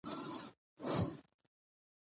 پر لوړۀ سيمه باران شوی او نيزونه راغلي دي